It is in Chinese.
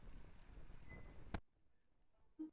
人造卫星一般由有效载荷和卫星平台两部分构成。